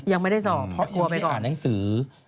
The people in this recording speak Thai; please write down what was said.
ยังไม่ได้อ่านหนังสือ